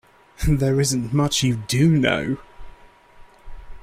There isn't much you do know.